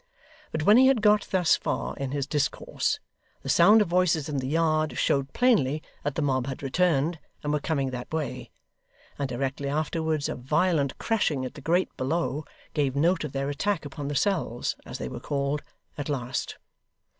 But when he had got thus far in his discourse, the sound of voices in the yard showed plainly that the mob had returned and were coming that way; and directly afterwards a violent crashing at the grate below, gave note of their attack upon the cells (as they were called) at last.